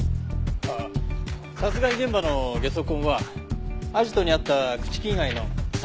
ああ殺害現場のゲソ痕はアジトにあった朽木以外の３人のものでした。